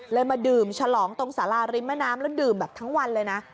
มาดื่มฉลองตรงสาราริมแม่น้ำแล้วดื่มแบบทั้งวันเลยนะ